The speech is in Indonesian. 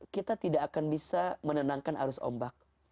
kita tidak akan bisa menenangkan arus ombak